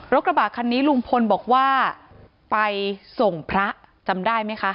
กระบะคันนี้ลุงพลบอกว่าไปส่งพระจำได้ไหมคะ